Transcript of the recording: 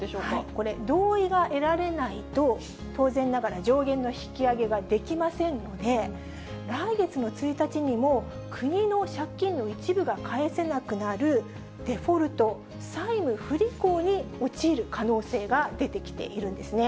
これ、同意が得られないと、当然ながら、上限の引き上げができませんので、来月の１日にも、国の借金の一部が返せなくなるデフォルト・債務不履行に陥る可能性が出てきているんですね。